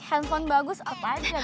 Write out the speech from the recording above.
handphone bagus apa aja